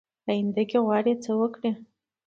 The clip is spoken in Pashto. په آینده کې غواړي څه وکړي ؟